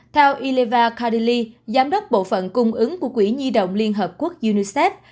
theo ileva kadili giám đốc bộ phận cung ứng của quỹ nhi động liên hợp quốc unicef